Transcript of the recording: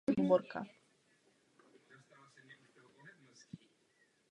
Spisovný jazyk by měl být samozřejmostí ve formálních pořadech.